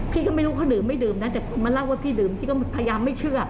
พี่ก็ไม่รู้เขาดื่มไม่ดื่มนะแต่มาเล่าว่าพี่ดื่มพี่ก็พยายามไม่เชื่อ